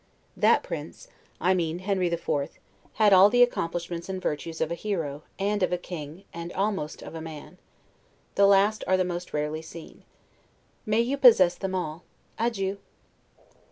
That prince, I mean Henry the Fourth, had all the accomplishments and virtues of a hero, and of a king, and almost of a man. The last are the most rarely seen. May you possess them all! Adieu.